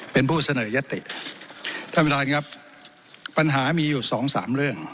เป็นผู้เสนอยติท่านประธานครับปัญหามีอยู่สองสามเรื่อง